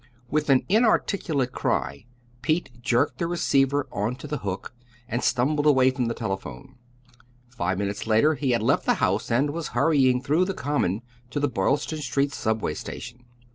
With an inarticulate cry Pete jerked the receiver on to the hook, and stumbled away from the telephone. Five minutes later he had left the house and was hurrying through the Common to the Boylston Street subway station.